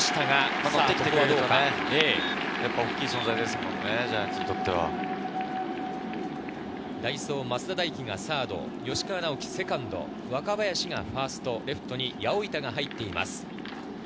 大きい存在ですものね、代走・増田大輝がサード、吉川はセカンド、若林がファースト、レフトは八百板が入っています。